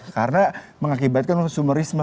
karena mengakibatkan konsumerisme